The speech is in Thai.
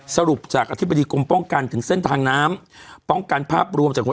สรุปจากอธิบดีกรมป้องกันถึงเส้นทางน้ำป้องกันภาพรวมจากหัว